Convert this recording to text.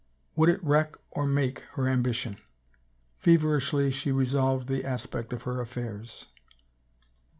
Would it wreck or make her ambition? Feverishly she revolved the aspect of her affairs.